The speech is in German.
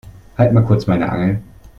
Halt mal kurz meine Angel.